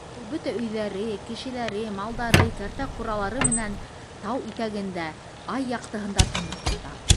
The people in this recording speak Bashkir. Ул бөтә өйҙәре, кешеләре, малдары, кәртә-ҡуралары менән тау итәгендә, ай яҡтыһында тынып ята.